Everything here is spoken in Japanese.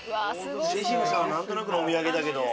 セシルさんは何となくのお土産だけど。